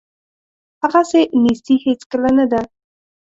هغسې نیستي هیڅکله نه ده.